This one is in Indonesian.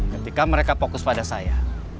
ketika mereka fokus pada saya